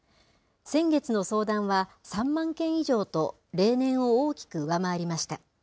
先月の相談は３万件以上と、例年を大きく上回りました。